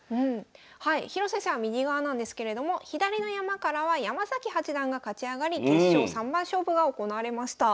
広瀬さん右側なんですけれども左の山からは山崎八段が勝ち上がり決勝三番勝負が行われました。